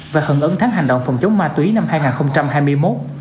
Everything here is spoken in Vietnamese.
và hận ứng tháng hành động phòng chống ma túy năm hai nghìn hai mươi một